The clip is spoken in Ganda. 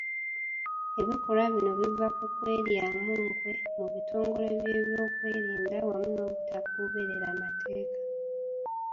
Ebikolwa bino biva ku kweryamu nkwe mu bitongole by’ebyokwerinda wamu n’obutagoberera mateeka.